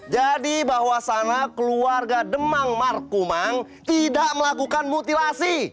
jadi bahwasana keluarga demang markumang tidak melakukan mutilasi